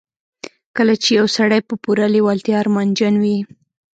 کله چې يو سړی په پوره لېوالتیا ارمانجن وي.